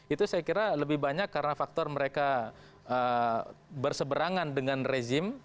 itu saya kira lebih banyak karena faktor mereka berseberangan dengan rezim